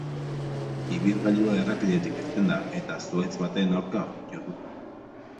Ibilgailua errepidetik irten da, eta zuhaitz baten aurka jo du.